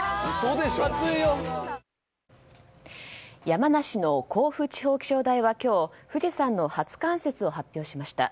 山梨の甲府地方気象台は今日富士山の初冠雪を発表しました。